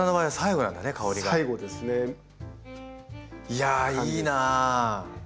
いやいいなあ！